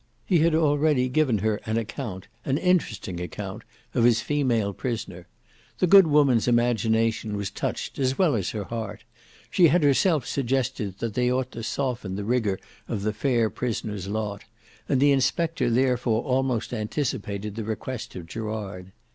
He had already given her an account, an interesting account, of his female prisoner. The good woman's imagination was touched as well as her heart; she had herself suggested that they ought to soften the rigour of the fair prisoner's lot; and the inspector therefore almost anticipated the request of Gerard.